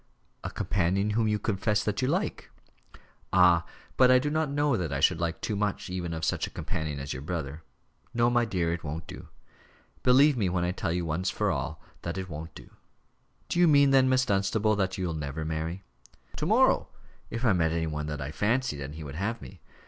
"A companion whom you confess that you like." "Ah! but I don't know that I should like too much even of such a companion as your brother. No, my dear it won't do. Believe me when I tell you, once for all, that it won't do." "Do you mean, then, Miss Dunstable, that you'll never marry?" "To morrow if I met any one that I fancied, and he would have me.